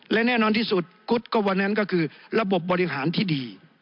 และแน่นอนที่สุดกุ๊ดก็วันนั้นก็คือระบบบบริหารที่ดี